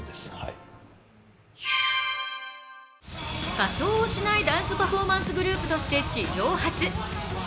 歌唱をしないダンスパフォーマンスグループとして史上初、ｓ＊＊